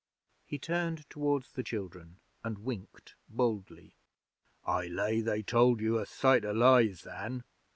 He turned towards the children and winked boldly. 'I lay they told you a sight o' lies, then.